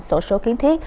sổ số kiến thiết